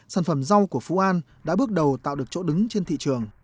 sản phẩm rau của phú an đã bước đầu tạo được chỗ đứng trên thị trường